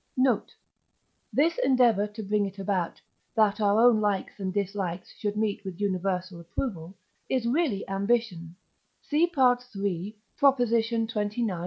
Note. This endeavour to bring it about, that our own likes and dislikes should meet with universal approval, is really ambition (see III. xxix.